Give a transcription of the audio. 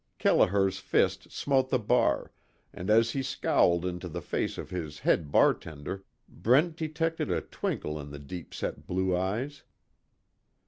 _" Kelliher's fist smote the bar, and as he scowled into the face of his head bartender, Brent detected a twinkle in the deep set blue eyes.